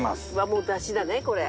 もうダシだねこれ。